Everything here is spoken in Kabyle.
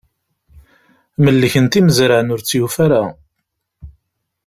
Mellken-t imezran, ur tt-yufi ara.